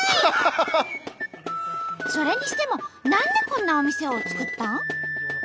それにしても何でこんなお店を作ったん？